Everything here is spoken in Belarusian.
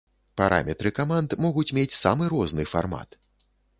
Параметры каманд могуць мець самы розны фармат.